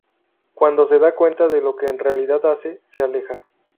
Cuando se da cuanta de lo que en realidad hace, se aleja.